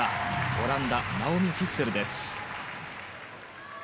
オランダ、ナオミ・フィッセル。